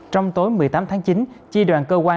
trong tối một mươi tám tháng chín chi đoàn cơ quan